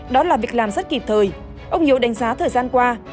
đó là việc làm rất kịp thời ông hiếu đánh giá thời gian qua